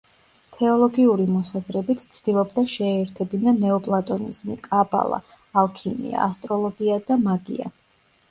თეოლოგიური მოსაზრებით ცდილობდა შეეერთებინა ნეოპლატონიზმი, კაბალა, ალქიმია, ასტროლოგია და მაგია.